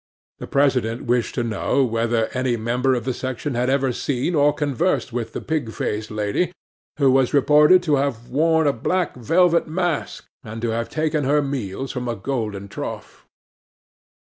'THE PRESIDENT wished to know whether any Member of the section had ever seen or conversed with the pig faced lady, who was reported to have worn a black velvet mask, and to have taken her meals from a golden trough.